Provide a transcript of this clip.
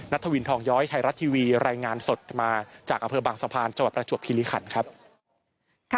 นัทวินทองย้อยไทยรัฐทีวีรายงานสดมาจากอเผลอบางสะพานจประจวบภิริขันธ์